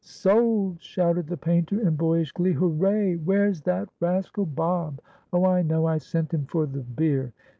"Sold!" shouted the painter, in boyish glee. "Hooray! Where's that rascal Bob? Oh, I know! I sent him for the beer.